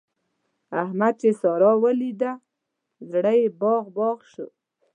احمد چې سارا وليده؛ زړه يې باغ باغ شو.